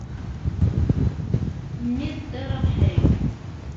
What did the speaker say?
Mmi d ṭṭir abeḥri.